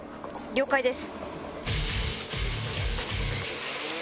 了解です。